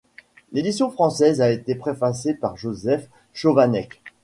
L'édition française a été préfacée par Josef Schovanec.